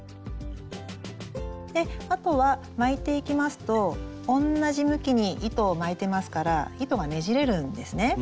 であとは巻いていきますと同じ向きに糸を巻いてますから糸がねじれるんですね。